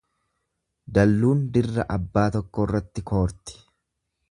Dalluun dirra abbaa tokkoorratti koorti.